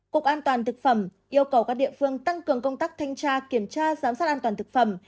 cục an toàn thực phẩm yêu cầu các địa phương tăng cường công tác thanh tra kiểm tra giám sát an toàn thực phẩm